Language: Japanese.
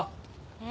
え？